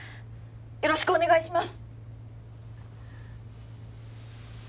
よろしくお願いします